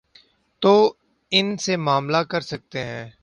تو وہ ان سے معاملہ کر سکتے ہیں۔